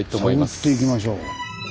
探っていきましょう。